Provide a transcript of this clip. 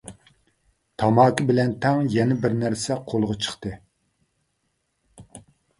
تاماكا بىلەن تەڭ يەنە بىر نەرسە قولىغا چىقتى.